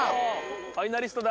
ファイナリストだ。